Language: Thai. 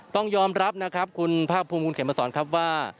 ต้องยอมรับนะครับคุณภาคภูมิคุณเขมสอนครับว่า